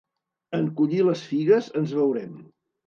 En collir les figues ens veurem.